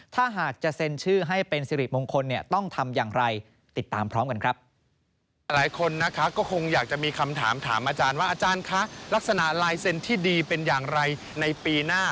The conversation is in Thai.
ถ้าหากจะเซ็นชื่อให้เป็นสิริมงคลเนี่ยต้องทำอย่างไรติดตามพร้อมกันครับ